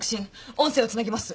音声をつなぎます。